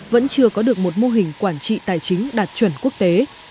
tổ chức mô hình quản trị tài chính đạt chuẩn quốc tế